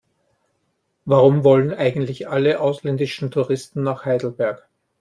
Warum wollen eigentlich alle ausländischen Touristen nach Heidelberg?